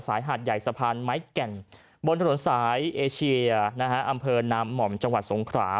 หาดใหญ่สะพานไม้แก่นบนถนนสายเอเชียนะฮะอำเภอนามหม่อมจังหวัดสงขรา